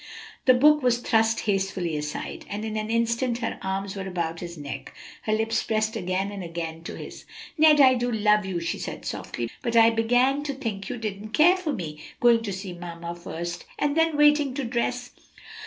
The book was thrust hastily aside, and in an instant her arms were about his neck, her lips pressed again and again to his. "O Ned, I do love you!" she said softly, "but I began to think you didn't care for me going to see mamma first, and then waiting to dress."